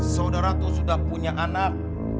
saudara tuh sudah punya anak